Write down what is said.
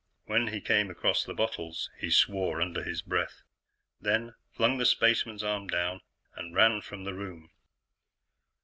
When he came across the bottles, he swore under his breath, then flung the spaceman's arm down and ran from the room.